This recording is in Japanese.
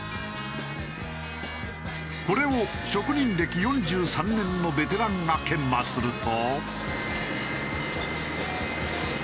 これを職人歴４３年のベテランが研磨すると。